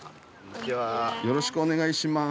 よろしくお願いします。